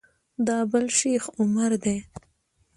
دا بل شیخ عمر دی.